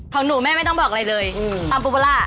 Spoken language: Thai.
ของหนูแม่ไม่ต้องบอกอะไรเลยตำปูปลาร่า